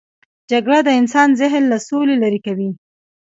جګړه د انسان ذهن له سولې لیرې کوي